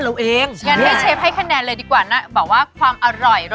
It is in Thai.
สรุปแล้วว่าคะแนนเต็มทั้งสองฝั่งเลย